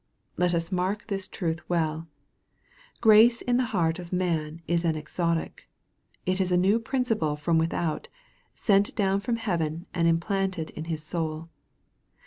Let us mark this truth well. Grace in the heart of man is an exotic. It is a new principle from without, sent down from heaven and implanted in his soul.